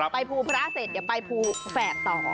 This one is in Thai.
ไปภูพระเสร็จอย่าไปภูแฝดต่อ